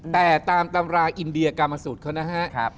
แต่ตามตำราอินเดียกรรมสูตรเขานะฮะ